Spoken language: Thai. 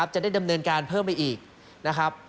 จะได้ดำเนินการเพิ่มไปอีกนะครับ